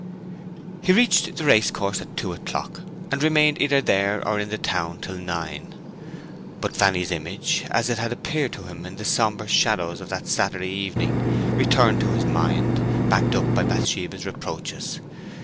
He reached the race course at two o'clock, and remained either there or in the town till nine. But Fanny's image, as it had appeared to him in the sombre shadows of that Saturday evening, returned to his mind, backed up by Bathsheba's reproaches.